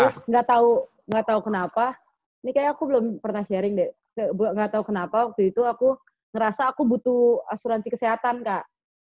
terus enggak tau kenapa ini kayaknya aku belum pernah sharing deh enggak tau kenapa waktu itu aku ngerasa aku butuh asuransi kesehatan kak